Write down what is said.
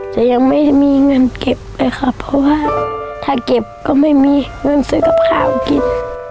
จะยังไม่มีเงินเก็บเลยค่ะเพราะว่าถ้าเก็บก็ไม่มีเงินซื้อกับข้าวกิน